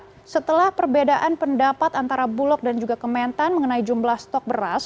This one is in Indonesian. nah setelah perbedaan pendapat antara bulog dan juga kementan mengenai jumlah stok beras